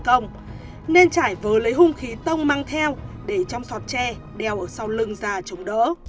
công nên trải vờ lấy hung khí tông mang theo để trong sọp tre đeo ở sau lưng ra chống đỡ